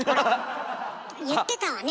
言ってたわね